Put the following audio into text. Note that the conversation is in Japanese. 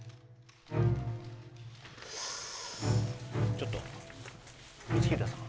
ちょっと光秀さん？